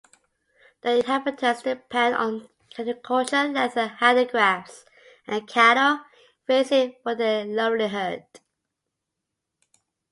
The inhabitants depend on agriculture, leather handicrafts, and cattle raising for their livelihood.